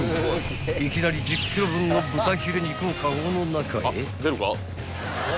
［いきなり１０ｋｇ分の豚ヒレ肉をカゴの中へ］